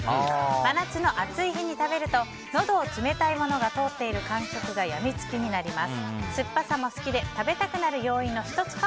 真夏の暑い日に食べるとのどを冷たいものが通っている感触が病みつきになります。